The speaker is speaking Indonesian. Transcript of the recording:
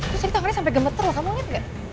kemudian tangannya sampai gemetar anda lihat